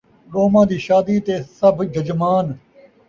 ݙوماں دی شادی تے سبھ ججمان